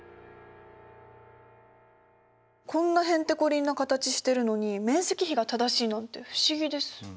こんなへんてこりんな形してるのに面積比が正しいなんて不思議です。